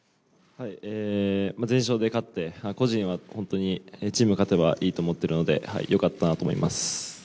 全勝で勝って、個人は本当にチームで勝てばいいと思ってるので、よかったなと思います。